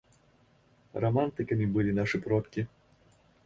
Рамантыкамі былі нашыя продкі!